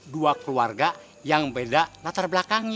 dua keluarga yang beda latar belakangnya